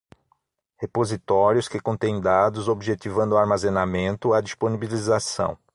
repositórios, que contêm dados, objetivando o armazenamento, a disponibilização